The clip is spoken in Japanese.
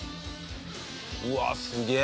うわすげえ！